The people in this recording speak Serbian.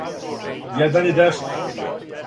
један је десно